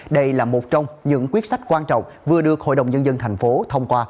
đây là một trong những quyết sách quan trọng vừa được hội đồng nhân dân thành phố thông qua